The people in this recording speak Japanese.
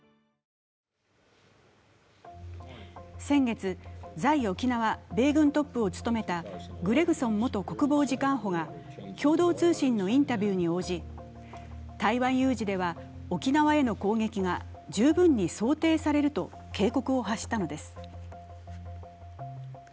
先月、在沖縄米軍トップを務めたグレグソン元国防次官補が共同通信のインタビューに応じ、台湾有事では沖縄への攻撃が十分に想定されると警告を発したのです。